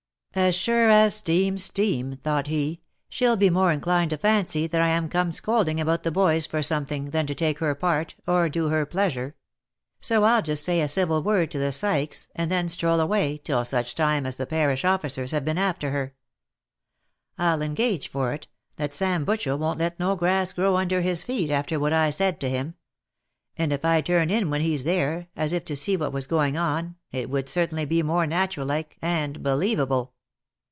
" As sure as steam's steam," thought he, " she'll be more inclined to fancy that I am come scolding about the. boys for some thing, than to take her part, or do her pleasure ; so I'll just say a civil word to the Sykeses, and then stroll away on, till such time as the parish officers have been after her. I'll engage for it, that Sam Butchel won't let no grass grow under his feet after what I said to him ; and if I turn in when he's there, as if to see what was going on, it would certainly be more natural like, and believable."